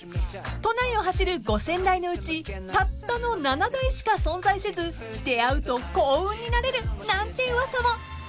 ［都内を走る５，０００台のうちたったの７台しか存在せず出合うと幸運になれるなんて噂も］